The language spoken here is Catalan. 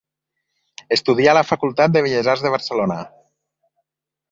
Estudià a la Facultat de Belles Arts de Barcelona.